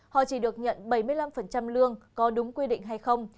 họ chỉ được nhận bảy mươi năm lương có đúng quy định hay không